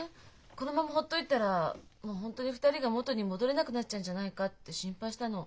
このままほっといたらもう本当に２人が元に戻れなくなっちゃうんじゃないかって心配したの。